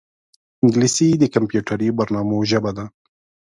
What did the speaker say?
انګلیسي د کمپیوټري برنامو ژبه ده